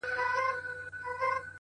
مور او ورور پلان جوړوي او خبري کوي,